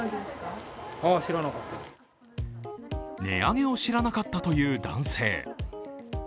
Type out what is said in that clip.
値上げを知らなかったという男性。